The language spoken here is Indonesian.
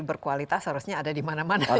berkualitas seharusnya ada dimana mana ya pak pakar